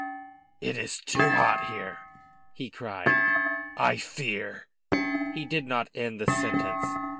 "It is too hot here," he cried; "I fear " He did not end the sentence.